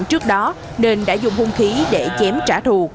trước đó nên đã dùng hung khí để chém trả thù